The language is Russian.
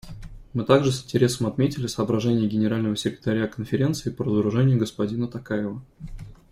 Мы также с интересом отметили соображения Генерального секретаря Конференции по разоружению господина Токаева.